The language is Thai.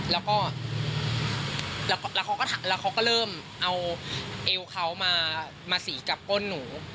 แล้วก็แล้วเขาก็เริ่มเอาเอวเขามาสีกับก้นหนู